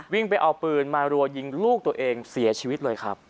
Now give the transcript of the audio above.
วิ่งไปเอาปืนมารัวยิงลูกตัวเองเสียชีวิตเลยครับ